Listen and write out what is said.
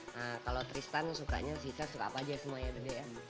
nah kalau tristan sukanya si cez suka apa aja semua ya gude ya